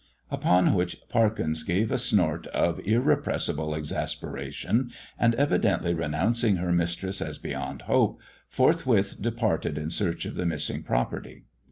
Upon which Parkins gave a snort of irrepressible exasperation, and, evidently renouncing her mistress as beyond hope, forthwith departed in search of the missing property.